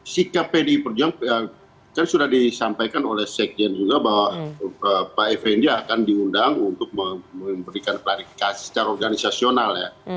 sikap pdi perjuangan kan sudah disampaikan oleh sekjen juga bahwa pak effendi akan diundang untuk memberikan klarifikasi secara organisasional ya